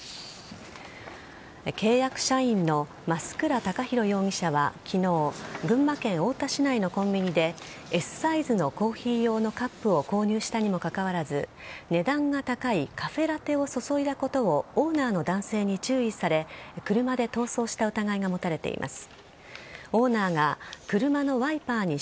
契約社員の増倉孝弘容疑者は昨日群馬県太田市内のコンビニでＳサイズのコーヒー用のカップを購入したにもかかわらず値段が高いカフェラテを注いだことをオーナーの男性に注意され車で逃走した疑いが持たれています。